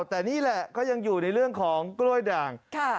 แต่นี่แหละก็ยังอยู่ในเรื่องของกล้วยด่าง